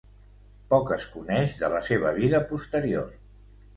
Poc es coneix de la seva vida posterior.